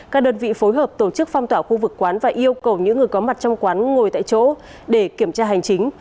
các đơn vị phối hợp tổ chức phong tỏa khu vực quán và yêu cầu những người có mặt trong quán ngồi tại chỗ để kiểm tra hành chính